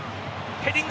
ヘディング。